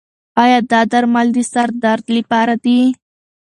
ایا دا درمل د سر درد لپاره دي؟